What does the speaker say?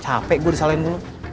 capek gue disalahin dulu